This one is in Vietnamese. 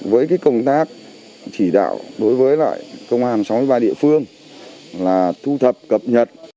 với công tác chỉ đạo đối với lại công an sáu mươi ba địa phương là thu thập cập nhật